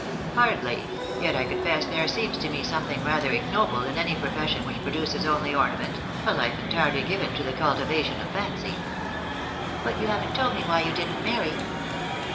" Hardly. Yet I confess there seems to me something rather ignoble in any profession which produces only ornament — a life entirely given to the cultivation of fancy." " But you haven't told me why you didn't marry